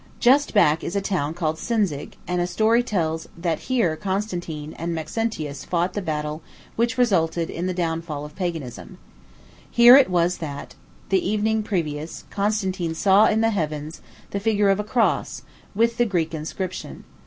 Just back is a town called Sinzig, and story tells that here Constantine and Maxentius fought the battle which resulted in the downfall of paganism. Here it was that, the evening previous, Constantine saw in the heavens the figure of a cross, with the inscription, "Εν τουτω νικα." [Greek: "En toutô nika."